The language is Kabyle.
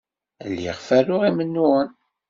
Lliɣ ferruɣ imennuɣen.